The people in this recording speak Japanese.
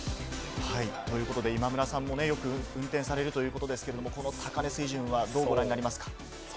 ということで、今村さんもよく運転されるということですけれども、この高値水準は、どうご覧になりますか？